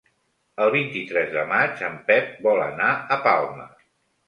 El vint-i-tres de maig en Pep vol anar a Palma.